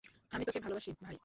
আমি তোকে ভালোবাসি, ভাই।